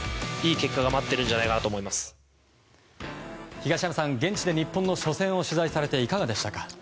東山さん、現地で日本の初戦を観戦されていかがでしたか？